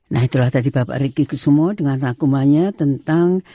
nah itulah tadi bapak ricky kusumo dengan rangkumannya tentang